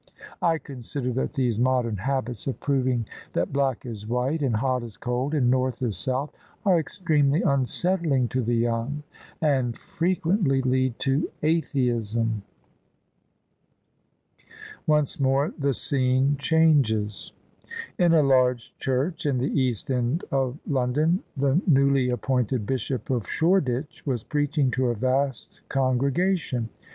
I consider that these modern habits of proving that black is white, and hot is cold, and North is South are extremely unsettling to the young, and frequently lead to atheism." THE SUBJECTION ONCE MORE THE SCENE CHANGES In a large church in the East End of London the newly appointed Bishop of Shoreditch was preaching to a vast con gregation.